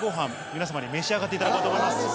皆様に召し上がっていただこうと思います。